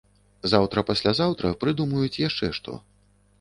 Заўтра-паслязаўтра прыдумаюць яшчэ што.